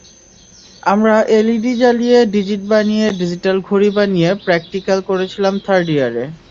আমরা এলইডি জ্বালিয়ে ডিজিট বানিয়ে ডিজিটাল ঘড়ি বানিয়ে প্র্যাকটিক্যাল করেছিলাম থার্ড ইয়ারে।